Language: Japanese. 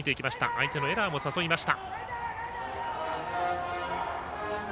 相手のエラーも誘いました。